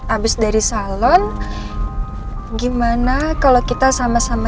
abis dari salon gimana kalau kita sama sama